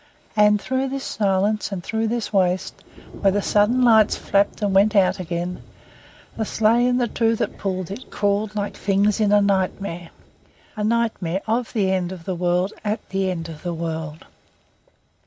And through this silence and through this waste, where the sudden lights flapped and went out again, the sleigh and the two that pulled it crawled like things in a nightmare a nightmare of the end of the world at the end of the world.